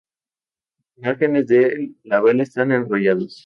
Los márgenes del labelo están enrollados.